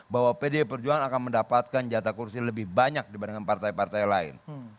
bahwa pdi perjuangan akan mendapatkan jatah kursi lebih banyak dibandingkan partai partai lain